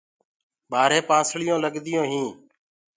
ٻآرهي پانسݪیونٚ لگدیونٚ هيٚنٚ۔